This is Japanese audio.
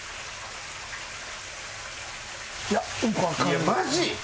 いやマジ！